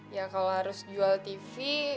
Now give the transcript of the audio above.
ya kalau harus jual tv